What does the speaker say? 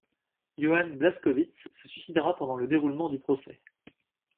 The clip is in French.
Johannes Blaskowitz se suicidera pendant le déroulement du procès.